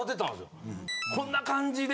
こんな感じで！